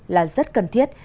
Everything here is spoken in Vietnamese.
là rất cần thiết